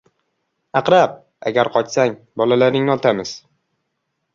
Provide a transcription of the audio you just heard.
— Aqrab, agar qochsang, bolalaringni otamiz!